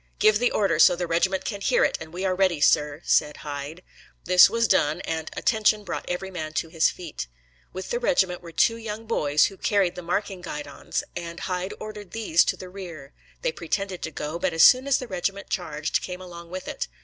"Give the order, so the regiment can hear it, and we are ready, sir," said Hyde. This was done, and "Attention" brought every man to his feet. With the regiment were two young boys who carried the marking guidons, and Hyde ordered these to the rear. They pretended to go, but as soon as the regiment charged came along with it.